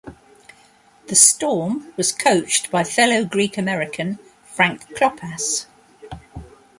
The Storm was coached by fellow Greek-American Frank Klopas.